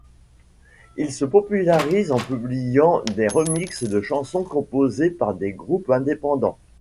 Ils se popularisent en publiant des remixes de chansons composées par des groupes indépendants.